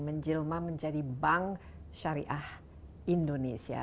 menjelma menjadi bank syariah indonesia